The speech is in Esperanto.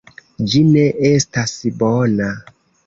Ĝi ne estas bona.